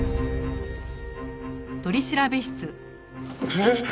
えっ！？